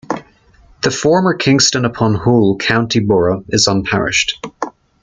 The former Kingston upon Hull County Borough is unparished.